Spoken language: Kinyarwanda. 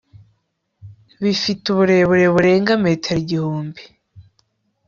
bifite uburebure burenga metero igihubi